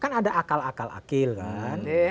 kan ada akal akal akil kan